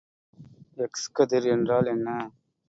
X கதிர் என்றால் என்ன?